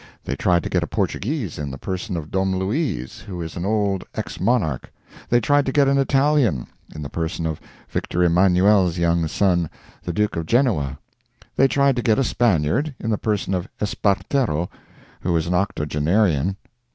They tried to get a Portuguese in the person of Dom Luis, who is an old ex monarch, they tried to get an Italian, in the person of Victor Emanuel's young son, the Duke of Genoa; they tried to get a Spaniard, in the person of Espartero, who is an octogenarian.